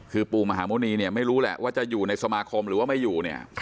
คือปู่มหาหมุณีเนี่ยไม่รู้แหละว่าจะอยู่ในสมาคมหรือว่าไม่อยู่เนี่ย